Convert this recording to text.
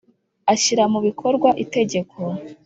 ashyira mu bikorwa itegeko